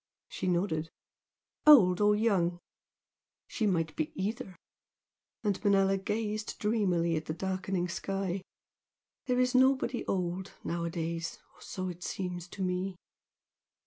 She nodded. "Old or young?" "She might be either" and Manella gazed dreamily at the darkening sky "There is nobody old nowadays or so it seems to me."